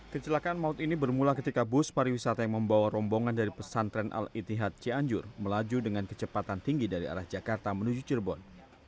kecelakaan maut ini bermula ketika bus pariwisata yang membawa rombongan dari pesantren al itihad cianjur melaju dengan kecepatan tinggi dari arah jakarta menuju cirebon